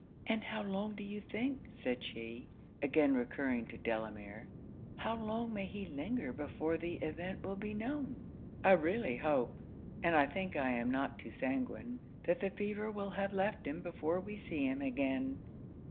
'And how long do you think,' said she, again recurring to Delamere 'how long may he linger before the event will be known?' 'I really hope, and I think I am not too sanguine, that the fever will have left him before we see him again.'